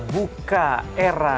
buka era jadinya